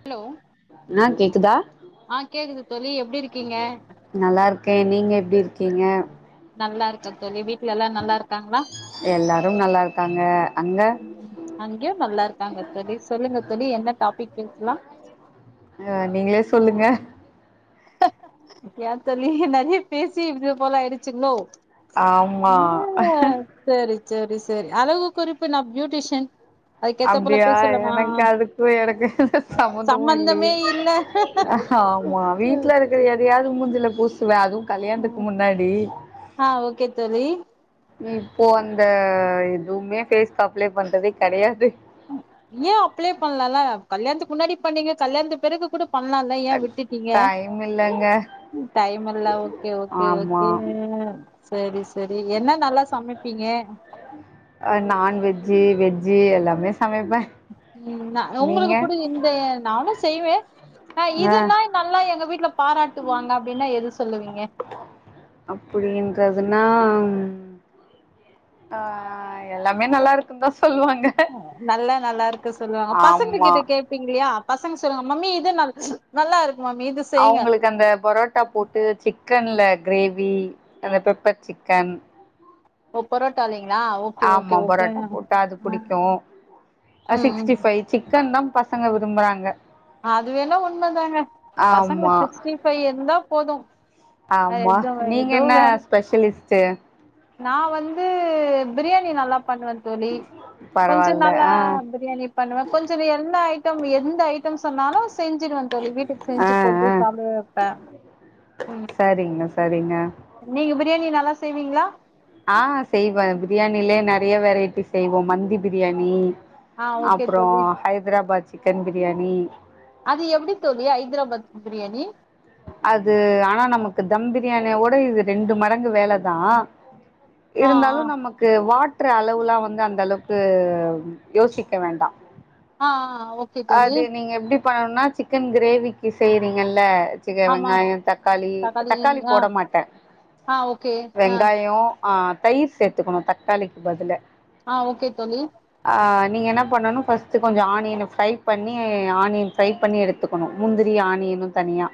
hello நா கேக்குதா ஆ கேக்குது தோழி எப்டி இருக்கீங்க நல்லா இருக்கே நீங்க எப்டி இருக் கீங்க நல்லா இருக்க தோழி வீட்ல எல்லா நல்லா இருக்காங்களா எல்லாரும் நல்லா இருக்காங்க அங்க அங்கயு நல்லா இருக்காங்க தோழி சொல்லுங்க தோழி என்ன டாபிக் பேஸ்லா அ நீங்களே சொல்லுங்க ஏ தோழி நறைய பேசி இது போல ஆயிடுச்சுங்ளோ ஆமா ஓ செரி செரி செரி அழகு குறிப்பு நா பியூட்டிஷன் அப்டியா எனக்கு அதுக்கு எனக்கு சம்பந்தமு இல்லேயே சம்பந்தமே இல்ல ஆமா வீட்ல இருக்குற எதயாவது மூஞ்சில பூசுவ அதுவு கல்யாணுத்துக்கு முன்னாடி ஆ ஓகே தோழி இப்போ அந்த எதுவுமே பேஸ்க்கு அப்ளே பண்றதே கெடையாது ஏ அப்ளே பண்லால கல்யாணத்துக்கு முன்னாடி பண்ணீங்க கல்யாணத்து பெறகு கூட பண்லால ஏ விட்டுட்டீங்க டைம் இல்லங்க டைம் இல்ல ஓகே ஓகே ஆமா ஓகே சேரி செரி என்ன நல்லா சமைப்பீங்க ஜ்ஜி வெஜ்ஜி எல்லாமே சமைப்பே ம் நா நீங்க உங்களுக்கு புடி இந்த நானு செய்வே ஆனா ஆ இதுன்னா நல்லா எங்க வீட்ல பாராட்டுவாங்க அப்டின்னா எது சொல்லுவீங்க அப்டின்ற துனா ஆ எல்லாமே நல்லா இருக்குன்தா நல்லா நல்லா இருக்கு சொல்லுவாங்க ஆமா பசங்கக்கிட்ட கேப்பீங்ளையா பசங் சொல்லுங்க மம்மி இது நல் நல்லா இரு அவுங்களுக்கு அந்த பரோட்டா போட்டு சிக் கன்ல க்ரேவி அந்த பெப்பர் சிக்கன் ஓ பரோட்டாலெ ஆமா பரோட்டா போட்டா அது ஆ புடிக்கு அ ம் ம் சிக்ஸ்டி ஃபை சிக்கன் தா பசங்க விரும்புறாங்க அது வேணா உண்ணமதாங்க பசங்க ஆமா சிக்ஸ்டி ஃபை இருந்தா போது வேற எது வ எது வேண் சே நா வந்து பிரியாணி நல்லாப் பண்ணுவந்தோழி கொஞ்சோ பரவால்ல நல்லா ஆ பிரியாணி பண்ணுவ கொஞ்சோ ந எல்லா ஐ ட்டம் எந்த ஐட்டம் சொன்னாலு செஞ்சிருவ தோழி வீட்டுக் ஆ செஞ்சு போட்டு ஆ சாப்ட வப்ப சரிங்க சரிங்க நீங்க பிரியாணி நல்லா செய்வீங்ளா ஆ செய்வ பிரியாணிலயே நறைய வெரைட்டி செய்வோ மந்தி பிரியாணி ஆ ஓகே அப்பறவ தோழி ஹைத்ராபாத் சிக்கன் பிரியாணி அது எப்டி தோழி ஐத்ராபாத் பிரியாணி அது ஆனா நமக்கு தம் பிரியாணியோட இது ரெண்டு மடங்கு வேலதா ஆ ஆ இருந்தாலு நமக்கு வாட் ட்ரு அளவுலா வந்து அந்த அளவுக்கு யோசிக்க வேண்டா ஆ ஆ ஓகே தோழி அது நீங்க எப்டி பண்ணணுன்னா சிக்கன் க்ரேவிக்கி செய்றீங்கல்ல சின்ன ஆமா வெங்காயொ தக்காளி தக்காளி போட மாட்ட ஆ ஓகே ஆ வெங்காயொ ஆ தயிர் சேத்துக்கணு தக்காளிக்கி பதுல ஆ ஓகே தோழி ஆ நீங்க என்னா பண்ணணு ஃபஸ்ட்டு கொஞ்சொ ஆனியன ஃப்ரை பண்ணி ஆனியன் ஃப்ரை பண்ணி எடுத்துக்கொணு முந்திரி ஆனியனு தனியா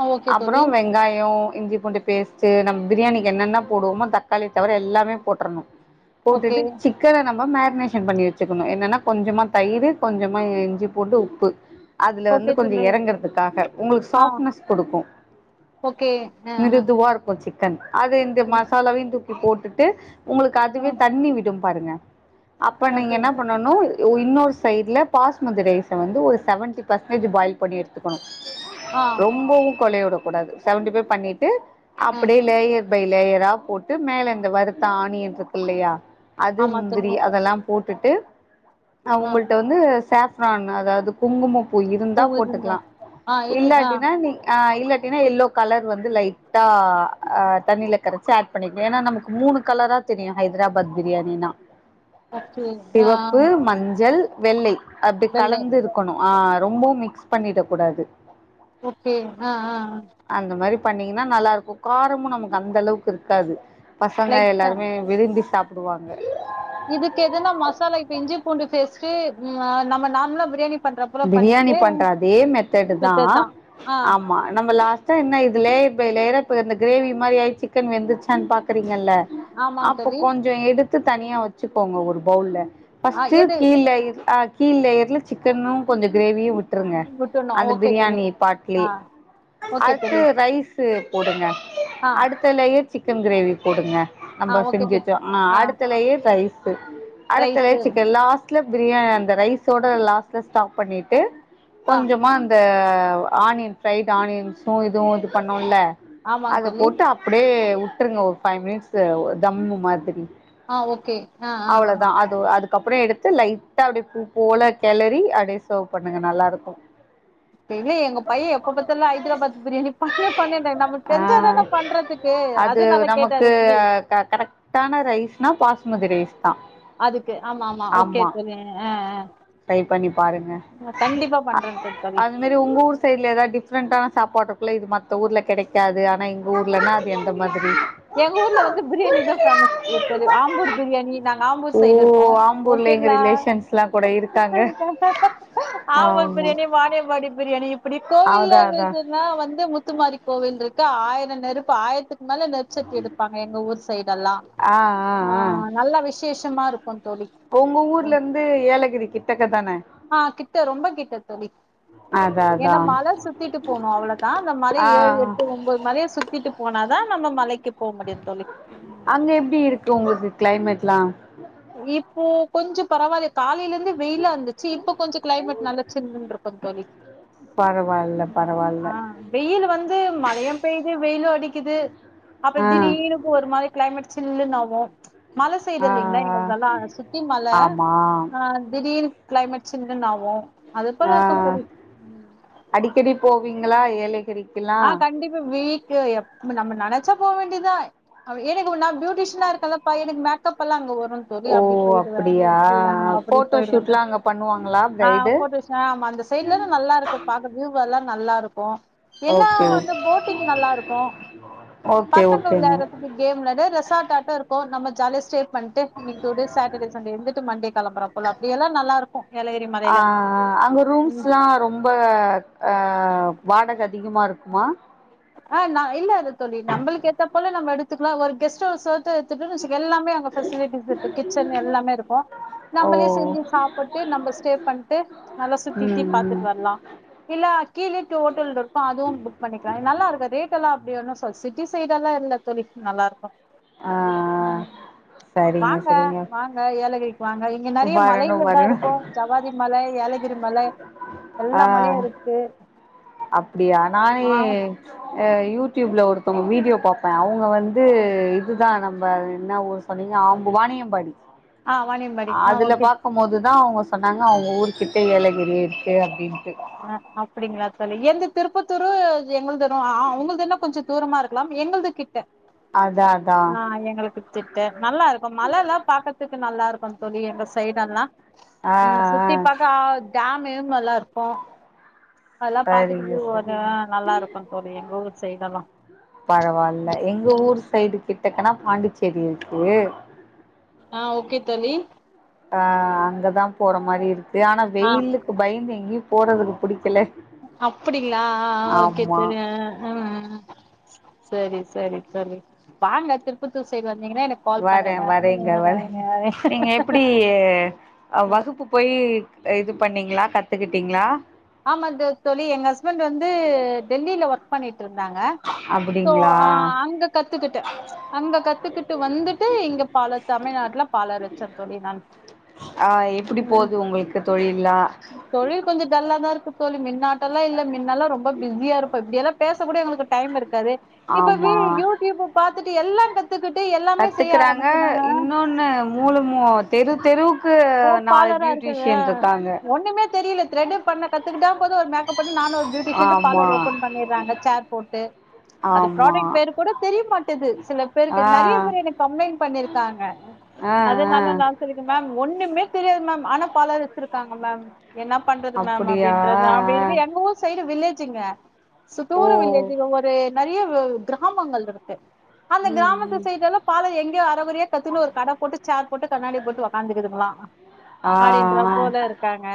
ஆ ஓகே அப்றொ தோழி வெங்காயொ இஞ்சி பூண்டு பேஸ்ட்டு நம் பிரியாணிக்கு என்னென்ன போடுவோமோ தக்காளிய தவர எல்லாமே போட்ரணு ஓகே போட்டுட்டு சிக்கன நம்ம மேரினேஷன் பண்ணி வச்சுக்கணு என்னன்னா கொஞ்சமா தயிரு கொஞ்சொ மா இஞ்சி பூண்டு உப்பு அதுல வந்து ஓகே கொஞ்சொ தோழி எறங்குறதுக்காக உங்களுக்கு ஆ சாஃப்ட்னஸ் குடுக்கு ஓகே ஆ மிருதுவா இருக்கு சிக் கன் அது இந்த ஆ மசாலாவையு தூக்கி போட்டுட்டு உங்களுக்கு அதுவே ஆ தண்ணி விடும் பாருங்க அப்ப நீங்க ஓகே என்ன பண்ணணு இ உ இன்னொரு சைட்ல பாஸ்மதி ரைஸ வந்து ஒரு செவன்ட்டி பசன்டேஜ் பாயில் பண்ணி எடுத்துக்கொணு ஆ ரொம்பவு கொழைய உடக் கூடாது செவெண்டி ஃபை பண்ணிட்டு ஆ அப்டியே லேயர் பை லேயரா போட்டு மேல இந்த வருத்த ஆணியன்ஸருக்குல்லையா அது ஆமா முந்திரி தோழி அதெல்லாம் போட்டுட்டு அ ஆ உங்கள்ட்ட வந்து சாஃப்ரான் அதாவது குங்குமப்பூ இருந்தா போட்டுக்லா ஆ இல்ல ஆ இல்லாட்டினா நீ ஆ இ ல்லாட்டீனா எல்லோ கலர் வந்து லைட்டா ஆ தண்ணியில கரச்சி ஆட் பண்ணிக்க ஏனா நமக்கு மூணு கல இப்பதா தெரியும் ஹைதராபாத் பிரியாணின்னா ஓகே ஆ ஆ சிவப்பு மஞ்சள் வெள்ளை அப்டி வெள்ளை கலந்து இருக்கணும் ஆ ரொம்பவு மிக்ஸ் பண்ணிட கூடாது ஓகே அ அ அந்த மாரி பண்ணீங்கன்னா நல்லா இருக்கு காரமு நமக்கு அந்த அளவுக்கு இருக்காது பசங்க லைட்டா எல்லாருமே விரும்பி சாப்பிட் இதுக்கு எதுனா மசாலா இப்ப இஞ்சி பூண்டு பேஸ்ட்டு ம் ஆ நம்ம நார்மலா பிரியாணி பண்ற போல பிரியாணி பண்ணிட்டு பண்ற அதே மெத்தெடு தா மித்ததுதான் ஆ ஆமா நம்ம லாஸ்ட் என்ன இது லேயர் பய் லேயரா இப்ப கிரேவி மாரி ஆயி சிக்கன் வெந்துருச்சான்னு பாக்குறீங்கல்ல ஆமாங்க அப்ப தோழி கொஞ்சோ எடுத்து தனியா வெச்சுக்கோங்க ஒரு பவுல்ல ஆ ஃபர்ஸ்ட்டு எது கீழ் கீழ் லேயர்ல சிக்கனு கொஞ்சோ கிரேவியு விட் ட்டுருங்க விட்டுணும் அந்த ஓகே தோழி பிரியாணி ஆ பாட்லியே ஓகே அது தோழி ரைஸ் போடுங்க ஆ அடுத்த லேயர் சிக்கன் கிரேவி போடுங்க ஆ நம்ம ஓகே செஞ்சு தோ வெச்சோ அ ஆ அடுத்த லேயர் ரைஸ்சு அடுத்த rice layer chicken last biryani அந்த ரைஸோட லாஸ்ல ஸ்டாப் பண்ணிட்டு ஆ கொஞ்சமா அந்த ஆநியன் பிரைட் ஆனியன்ஸ் இதுவு இது பண்ணோல ஆமாங்க அத தோழி போட்டு அப்பிடியே விட்டுருங்க ஒரு ஃபைவ் மினிட்ஸ் தம்மு மாதிரி ஆ ஓகே ஆ ஆ ஆ அவ்ளோதா அது அதுக்கப்புறோ எடுத் லைட்டா அப்டியே பூ போல கெளறி அப்டியே சேர்வ் பண்ணுங்க நல்லா இருக்கு இல்ல எங்க பையன் எப்ப பாத்தாலும் ஹைதராபாத் பிரியாணி பண்ணு பண்ணுன்றான் நமக்கு அ தெரிஞ்சாதான பண்றதுக்கு அது அதனால கேட்டேன் நமக்கு ரெசிபி கரெக்டான ரைஸ்னா பாஸ்மதி ரைஸ் அதுக்கு ஆமா ஓகே ஆமா தோழி ஆ ட்ரை பண்ணி பாருங்க ஆ கண்டிப்பா பண்றே த தோழி அந்த மாரி உங்க ஊர் சைட்ல எதாவ்து டிஃப்ரெண்டா சாப்பாட்டுக்குள்ளே இது மத்த ஊர்ல கெடைக்காது ஆனா எங்க ஊர்லன்னா அது எந்த மாதிரி எங்க ஊர்ல வந்து பிரியாணி தா பேமஸ் ஓ சொல்லி ஆம்பூர் பிரியாணி நாங்க ஆம்பூர் ஓ சைடு இருக்கோ ஆம்பூர்ல எங்க ஓகேங்களா ரிலேஷன்ஸ்ல்லா கூட இருக்காங்க ஆம்பூர் ஆமா பிரியாணி வானியம்பாடி பிரியாணி அப்டி அதா கோவில்லன்னு அதா சொன்னா வந்து முத்துமாரி கோவில் இருக்கு ஆயிரம் நெருப்பு ஆயிரத்துக்கு மேல தீச்சட்டி எடுப்பாங்க எங்க ஊர் சைடு எல்லா ஆ ஆ அ ஆ நல்ல விசேஷமா இருக்கு தோழி உங்க ஊர்ல இருந்து ஏலகிரி கிட்டக்க தான அ கிட்ட ரொம்ப கிட்ட தோழி அதா ஏன்னா அதா மல சுத்திட்டு போணு அவ்ளோதா அந்த மல ஆ ஏழு எட்டு ஒன்பது மலைய சுத்திட்டு போணு போனா தா நம்ம மலைக்கு போ முடியு தோழி அங்க எப்டி இருக்கு உங்குளுக்கு கிளைமெட்ல்லா இப்போ கொஞ்ச பரவாயில்ல காலையில இருந்து வெயிலா இருந்துச்சு இப்போ கொஞ்ச கிளைமேட் நல்லா சில்லுனு இருக்கு சூப்பர் தோழி பரவா அ வெயில் வந்து மலையு பெய்து வெயிலு அடிக்குது அப்புறம் ஆ திடீர்னு ஒரு மாதிரி கிளைமேட் சில்லுன்னாவு மல சொடு ஆ இல்லிங்ளா ஆ ல்லாம் சுத்தி மல ஆமா அ திடீர்னு கிளைமேட் சில்லுனுா ஆவு அது போல ஆ இருக்கு தோழி நீங்களா ஏழு அ கண்டிப்பா வீக்கு எப் நம்ம நெனைச்சா போ வேண்டியதுதா எனக்கு நா பியூட்டிஷன்னா இருக்கலப்பா எனக்கு மேக்கப் எல்லா அங்க வர்து சொல்லி ஓ அப்டி போயி்டுவேன் அப்டியா ஓகே அப்டி ஃபோட்டோ போயிடுவேன் ஷூட்லா அங்க பண்ணுவாங்களா அ ப்ரைடு போட்டோ அந்த சைட்லல்லா நல்லா இருக்கு பாக்குறதுக்கு வியூ எல்லா நல்லா இருக்கு என்னல்லா ஓகே வந்து ஓகே போட்டிங் நல்லா இருக்கு ஓகே பசங்க ஓகேங்க விளையாட்றதுக்கு கேம் விளாயடு ரெசார்ட்ட ஆட்ட இருக்கு நம்ம ஜாலியா ஸ்டே பண்ணிட்டு டூ டேஸ் சாட்டடே சண்டே வந்துட்டு மண்டே கிளம்பறப்போல அப்டியெல்லாம் நல்லா இருக்கு ஏலகிரி அ மலையில அங்க ம் ரூம்ஸ்ல்லா ரொம்ப அ அ வாடக அதிகமா இருக்குமா அ நா இல்ல அது தோழி நம்மளுக்கு ஏத்த போல நம்ம எடுத்துக்கலா ஒரு கெஸ்ட் ஹவுஸ்ஸாவது எல்லாமே அங்க பெசிலிட்டிஸ் இருக்கு கிச்சன் எல்லாமே இருக்கு ஓ நம்மளே செஞ்சு சாப்பிட்டு நம்ம ஸ்டே பண்ணிட்டு நல்லா சுத்தித்தி ம் பாத்துட்டு ம் வர்லா இல்ல கீழேட்டு ஹோட்டல் இருக்கு அதுவு புக் பண்ணிக் நல்லாருக்கு ரேட் எல்லா அப்படி ஒண்ணு சொ சிட்டி சைடு எல்லா இல்ல தோழி நல்லா இருக்கு ஆ ஆ ம் சரிங்க வாங்க சரிங்க வாங்க ஏலகிரிக்கு வாங்க இங்க நெறைய வரணு மலைகள் தா வரணு இருக்கு ஜவ்வாதி மலை ஏலகிரி மல ஆ எல்லா மலையு இருக்கு அப்டியா நா எ ஆ யூடியூப்ல ஒருத்தவங்க வீடியோ பாப்பே அவுங்க வந்து இதுதா நம்ப என்ன ஊரு சொன்னிங்க அவுங்க வாணியம்பாடி ஆ வாணியம்பாடி ஆ அதுல ஓகே பாக்கும்போதுதா அவுங்க சொன்னாங்க அவங்க ஊர்கிட்ட ஏலகிரி இருக்கு அப்டினு அ அப்பிடிங்ளா தோழி எந்த திருப்பத்தூரு எங்களுது என்ன அ உங்களுதுனா கொஞ்ச தூரமா இருக்கலாம் எங்குளுது கிட்ட அதா அதா ஆ எங்களுக்கு திட்ட நல்லா இருக்கு மல எல்லா பாக்கறதுக்கு நல்லா இருக்கு தோழி எங்க சைடு எல்லா ஆ உ ஆ சுத்தி பாக்க அ டேம் ஹீமெல்லா இருக்கு அதெல்லா பாத்துட்டு சரிங்க கீது போங்க சரிங்க நல்லா இருக்கு தோழி எங்க ஊர் சைடெல்லா பரவால்ல எங்க ஊர் சைடு கிட்டக்கனா பாண்டிச்சேரி இருக்கு ஆ ஓகே தோழி ஆ அங்கதா போற மாரி இருக்கு ஆனா ஆ வெயிலுக்கு பயந்து எங்கயு போறதுக்கு புடிக்கல அப்படிங்ளா அ அ ஓகே ஆமா தோழி அ ம் ம் சரி சரி சரி வாங்க திருப்பத்தூர் சைடு வந் வரே வரேங்க வரே ம் நீங்க எப்பிடி வகுப்பு போயி இது பண்ணிங்ளா கத்துகிட்டிங்ளா ஆமா த தோழி எங்க ஹஸ்பண்ட் வந்து டெல்லில ஒர்க் பண்ணிட் இருந்தாங்க சோ அப்டிங்களா அங்க கத்துக்கிட்ட அங்க கத்துக்கிட் ட்டு வந்துட்டு இங்க பால தமிழ்நாட்ல பாலர் வச்சே தோழி நான் ஆ எப்பிடி ம் போது உங்களுக்கு தொழில் தொழில் கொஞ்ச டல்லா தா இருக்கு தோழி மின்னாட்டல்ல இல்ல மின்னெல்லா ரொம்ப பிஸியா இருப்ப இப்டியெல்லா பேச கூட எங்களுக்கு டைம் இருக்காது இப்ப வீ ஆமா யூடியூப பாத்துட்டு எல்லா கத்து கத்துக்றாங்க இன்னொன்னு மூல மூ தெரு தெருக் போ பாலரா இருக்குதுவ ஒண்ணுமே தெரில த்ரெட்டே பண்ண கத்துகிட்டா போது ஒரு மேக்கப் பண்ணி நானு பியூட்டிஷன்ட்டு ஆமா பார்லர் ஓபன் பண்ணிர்றாங்க சேர் போட்டு அது ஆமா ப்ராடக்ட் பேரு கூட தெரியமாட் குது சில பேருக்கு ஆ நறைய பேரு என்ன கம்ளெய்ன் பண்ணிருக்காங்க ஆ ஆ அதனால நா சொல்லிட்ட மேம் ஒன்னுமே தெரியாது மேம் ஆனா பாலர் வச்சிருக்காங்க மேம் என்னா பண்றது மேம் அப்டியா ஆ அப்படின்றது ஆ இது எங்க ஊர் சைடு வில்லேஜுங்க ஓ சுத்தூர வில்லேஜு ஒரு நறைய கிராமங்கள் இருக்கு அந்த ம் கிராமத்து ம் சைடெல்லா பால எங்கயோ அரகுறையா கத்துனு ஒரு கட போட்டு சேர் போட்டு கண்ணாடி போட்டு ஒக் காந்துக்துங்களா ஆ அப்படின்றா ஆ போல இருக்காங்க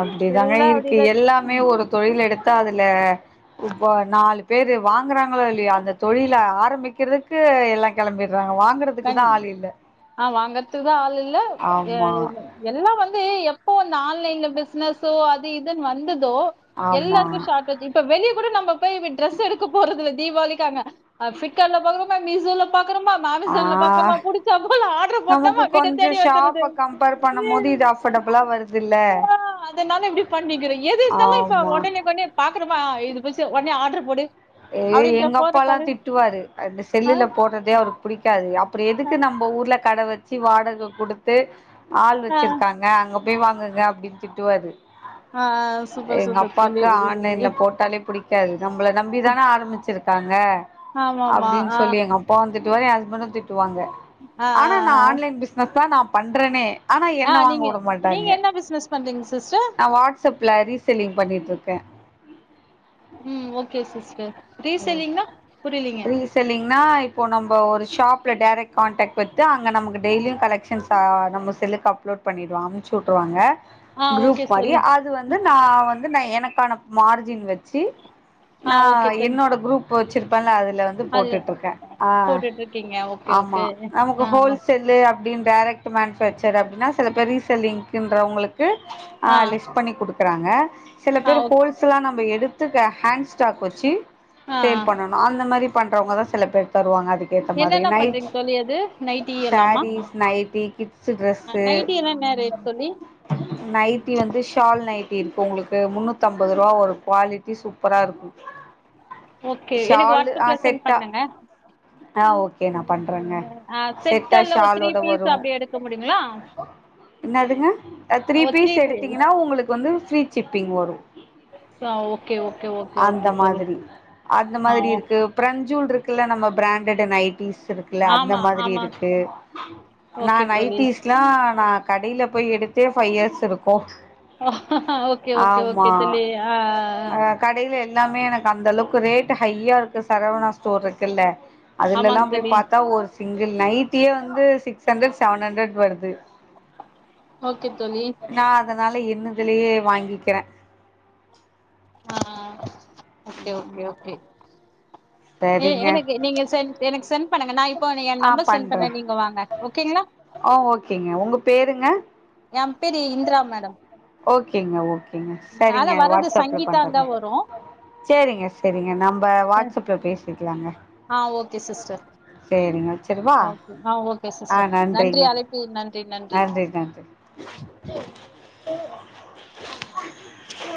அப்டிதாங்க எல்லா இருக்கு அப்டிதா எல்லாமே ஒரு தொழில் எடுத்தா அத இல்ல இப்ப நாலு பேரு வாங்கறாங்களோ இல்லையோ அந்த தொழில ஆரம்பிக்கிறதுக்கு எல்லா கெளம்பிரு கன் ஆ வாங்கறதுக்குதா ஆள் இல்ல எ ஆமா எல்லா வந் து எப்போ இந்த ஆன்லைன்ல பிசினஸோ அது இதுன் வந்து தோ ஆமா எல்லாருக்கு ஷார்டேஜ் இப்ப வெளிய கூட நம்ம போய் ட்ரெஸ் எடுக்க போறதில்ல தீபாளிக்காங்க ஆ ஃபிளிப்காட்ல பாக்றமா மீசோல பாக்கறமா ஆ அமேசான்ல பாக்றமா புடிச்சா போல ஆடர் நமக்கு போட்டமா வீட கொஞ்சோ தேடி வந்துருது ஷாப்ப கம்பேர் பண்ணும் போது இது அஃபர்டபுளா வருதுல்ல ஆ அதனால இப்பிடி பண்ணிக்கிறோ எது இருந்தாலு இப்ப ஆமா ஒடனுக்கொனே பாக் றமா இது புச்சு ஒடனே ஆடர் போடு ஏ அப்டின்ற எங்க போற அப்பாலா காலு திட்டுவாரு அந்த ஆ செல்லுல போடறதே அவருக் புடிக் காது அப்பற ஆ எதுக்கு நம்ம ஊர்ல கட வெச்சு வாடக குடுத்து ஆள் ஆ வச்சிருக்காங்க அங்க போய் வாங்குங்க அப்டின் திட்டுவாரு ஆ சூப்பர் எங்க சூப்பர் தோழி அப்பாக்கு ஆன்லைன்ல போட்டாலே புடிக் கக்காது நம்மளை நம்பி தானே ஆரம்பிச்சிருக்காங்க ஆமாமா அப்படின்னு ஆ சொல்லி எங்க அப்ப வந்துட்டு வ ஹஸ்பண்ட திட்டுவாங்க ஆ ஆ ஆனா நான் ஆ ஆன்லைன் பிசஸ் தான் நான் பண்றேனே ஆனா ஆ என்ன வாங்க நீங்க உட நீங்க மாட்டாங்க என்ன பிசினஸ் பண்றீங்க சிஸ்டர் நான் வாட்ஸ்அப்ல ரீசெல்லிங் பண்ணிட்டு இருக்கே ம் ஓகே சிஸ்டர் ரீசெல்லிங்னா புரியலீங்க ரீசல்லிங்னா இப்போ நம்ம ஒரு ஷாப்ல டேரக்ட் காண்டக்ட் வத்து அங்க நமக்கு டெய்லியும் கலெக்ஷன்ஸ் நம செல்லுக்கு அப்லோ பண்ணிடு அனுப்ச்ட்டுருவாங்க ஆ குரூப் ஓகே மாதிரி தோழி அது வந்து நான் வந்து நான் எனக்கான மார்ஜின் வச்சு ஆ நான் ஓகே தோழி என்னோட குரூப் வச்சிருப்பேன் அதுல வந்து அது போட்டுட்டு இருக்கே ஆ போட்டுட்டு இருக்கீங்க ஓகே ஆமா ஓகே நமக்கு ஆ ஹோல்சேல்லு அ னு டைரக்ட் மேணிப்பேக்ச்சர் அப்படின்னா சில பேர் ரீசலிங்க்ங்களுக்கு ஆ லிஸ்ட் பண்ணி கொடுக்க க்கறாங்க சில ஆ பேர் ஓகே ஹோல்சா நம்ம எடுத்து ஹேண்ட் ஸ்டாக் வச்சு ஆ ஆ சேல் பண்ணணு அந்த மாதிரி பண்றவங்கதான் சில பேர் தருவாங்க க்க ஏத்த மாதிரி என்னென்ன நைட் பண்றீங்க தோழி அது நைட்டி எல்லாமா சாரீஸ் நைட்டி கிட்ஸ் ஆ ட்ரெஸ்சு நைட்டி எல்லா என்ன ரேட் தோழி நைட்டி வந்து ஷா நைட்டி இருக்கு உங்களுக்கு முன்னூத்தி அம்பது ரூபா ஒரு குவாலிட்டி சூப்பரா இருக்கும் ஓகே எனக்கு ஷால் ஆ வாட்ஸ்அப்ல சென்ட் செட்டா பண்ணுங்க ஆ ஓகே நான் பண்றேங்க ஆ செட்டா செட்டால்ல ஒரு த்ரீ ஷாலோட பீஸ் வரும் அப்டி எடுக்க முடியுங்களா என்னதுங்க த்ரீ பீஸ் எடுத்தீங்கன்னா உங்களுக்கு வந்து ஃரீ சிப்பிங் வரும் ஆ ஓகே ஓகே ஓகே அந்த ஓகே தோழி மாதிரி அந்த ஆ மாதிரி ஓ- இருக்கு பிரஞ்சூல் இருக்கு நம்ம பிராண்டட நைடிிஸ் இருக்குல்ல அந்த ஆமா மாதிரி ஆமா இருக்கு ஓகே நான் தோழி நைடிிஸ்லாம் நான் கடையில போய் எடுத்தே ஃபைவ் இயர்ஸ் இருக்கு ஓகே ஓகே ஓகே ஆமா தோழி ஆ ஆ அ கடையில எல்லாமே எனக்கு அந்த அளவுக்கு ரேட் ஹையா இருக்கு சரவணா ஸ்டோர் இருக்குல்ல அதுலல்லா ஆமாங்க போய் தோழி பாத்தா ஒரு சிங்கிள் நைட்டியே வந்து சிக்ஸ் ஹண்ட்ரட் செவன் ஹண்ட்ரட் வருது ஓகே தோழி நா அதனால என்னதுலயே வாங்கிக்கிறே ஆ ஆ ஓகே ஓகே ஓகே ஏ சரிங்க எனக்கு நீங்க சென் எனக்கு சென் பண்ணுங்க நான் இப்போ என் ஆ நம்பர் சென்ட் பண்ண பண்றே நீங்க வாங்க ஓகேங்களா இருங்க என் பேரு இந்திரா மேடம் ஓகேங்க ஓகேங்க ஆனா சரிங்க வர்றது வாட்ஸ்அப்ல சங்கீதான்னு தா பண்றங்க வரு சேரிங்க சேரிங்க நம்ம வாட்ஸ்ப்ல பேசிக்கலாங்க ஆ ஓகே சிஸ்டர் சேரிங்க வச்சிரவா ஓகே ஆ ஓகே ஆ சிஸ்டர் நன்றி நன்றிங்க அழைப்பி நன்றி நன்றி [inaudible] [inaudible]